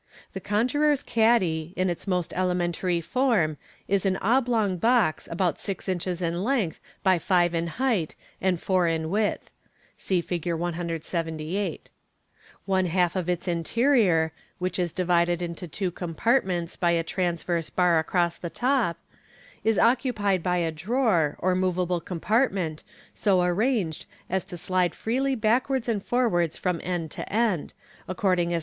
The conjuror's caddy, in its most elementary form, is an obiong box, about six inches in length by five in height and four in width. (See Fig. 178.) One half of its interior, which is divided into two MODERN MAGIC. 349 partments by a transverse bar across the top, is occupied by a drawer, or moveable compartment, so arranged as to slide freely backwards as the caddy is allowed to (See Figs.